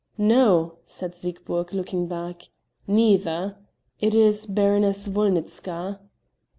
"No," said Siegburg, looking back, "neither. It is Baroness Wolnitzka!"